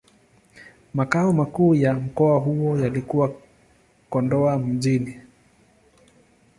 Makao makuu ya mkoa huo yalikuwa Kondoa Mjini.